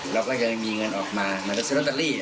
เราก็จะมีเงินออกมามันก็ซื้อร็อเตอรี่